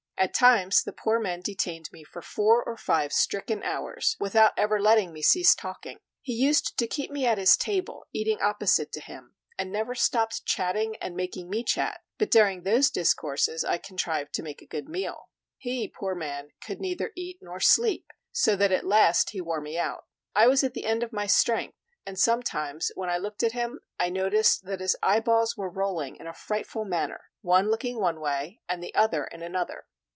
At times the poor man detained me for four or five stricken hours without ever letting me cease talking. He used to keep me at his table, eating opposite to him, and never stopped chatting and making me chat; but during those discourses I contrived to make a good meal. He, poor man, could neither eat nor sleep; so that at last he wore me out. I was at the end of my strength; and sometimes when I looked at him, I noticed that his eyeballs were rolling in a frightful manner, one looking one way and the other in another.